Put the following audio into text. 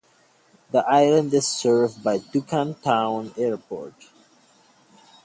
The island is served by Duncan Town Airport.